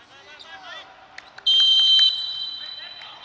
สวัสดีครับ